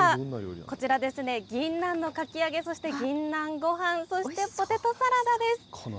こちらですね、ぎんなんのかき揚げ、そしてぎんなんごはん、そしてポテトサラダです。